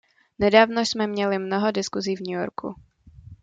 Nedávno jsme měli mnoho diskusí v New Yorku.